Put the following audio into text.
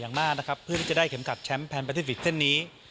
อย่างมากนะครับเพื่อที่จะได้เข็มขัดแชมป์แนนประเทศวิกเส้นนี้